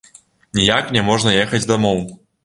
Ніяк няможна ехаць дамоў.